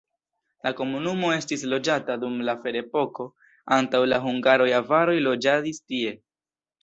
La komunumo estis loĝata dum la ferepoko, antaŭ la hungaroj avaroj loĝadis tie.